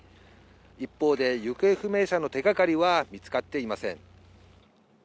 一方で、行方不明者の手がかりは見つかっていません。